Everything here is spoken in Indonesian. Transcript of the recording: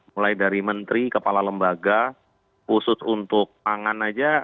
mulai dari menteri kepala lembaga khusus untuk angan aja